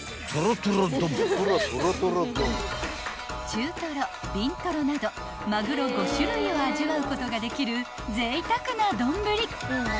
［中トロビントロなどマグロ５種類を味わうことができるぜいたくな丼］